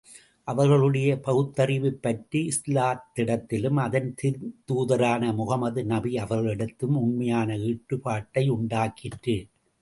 அவர்களுடைய பகுத்தறிவுப் பற்று இஸ்லாத்திடத்திலும், அதன் திருத்தூதரான முஹம்மது நபி அவர்களிடத்திலும் உண்மையான ஈடுபாட்டை உண்டாக்கிற்று.